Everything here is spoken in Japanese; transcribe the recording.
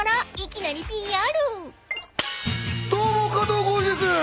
どうも加藤浩次です。